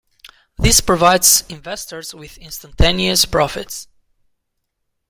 This provides investors with instantaneous profits.